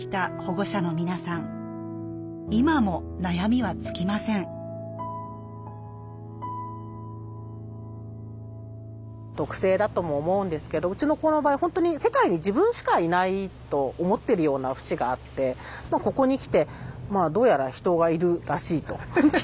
今も悩みは尽きません特性だとも思うんですけどウチの子の場合本当に世界に自分しかいないと思ってるような節があってまあここに来てどうやら人がいるらしいと気付いて。